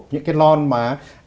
những cái lon mà